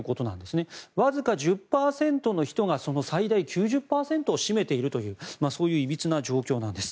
わずか１０％の人が最大９０％を占めているというそういういびつな状況なんです。